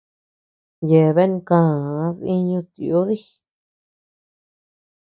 Yeabean käa diñu tiudi.